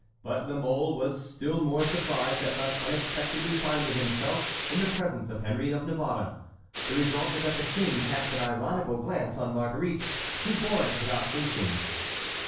But La Mole was still more surprised at thus unexpectedly finding himself in the presence of Henry of Navarre. The result was that the king cast an ironical glance on Marguerite, who bore it without flinching.